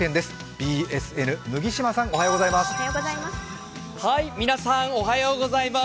ＢＳＮ麦島さんおはようございます。